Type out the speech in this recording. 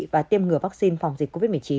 và tiêm ngừa vaccine phòng dịch covid một mươi chín